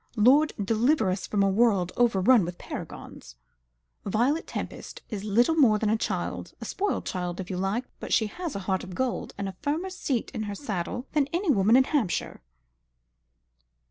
Lord deliver us from a world overrun with paragons. Violet Tempest is little more than a child, a spoiled child, if you like, but she has a heart of gold, and a firmer seat in her saddle than any other woman in Hampshire."